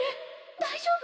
大丈夫？